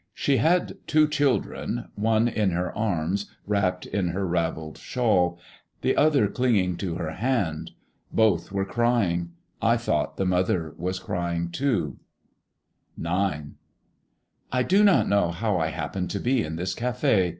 She had two children, one in her arms wrapped in her ravelled shawl, the other clinging to her hand. Both were crying; I thought the mother was crying too. IX. I do not know how I happen to be in this café.